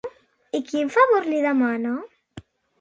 I quin favor li demana?